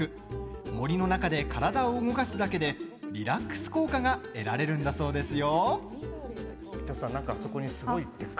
森の中で体を動かすだけでリラックス効果が得られるんだそうですよ。